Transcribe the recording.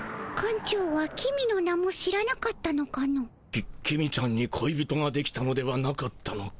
き公ちゃんにこい人ができたのではなかったのか。